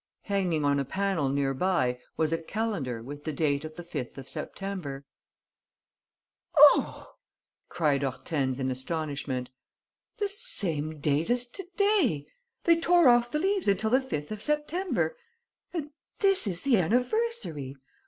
Hanging on a panel near by was a calendar with the date of the 5th of September. "Oh," cried Hortense, in astonishment, "the same date as to day!... They tore off the leaves until the 5th of September.... And this is the anniversary!